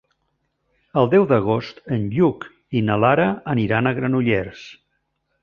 El deu d'agost en Lluc i na Lara aniran a Granollers.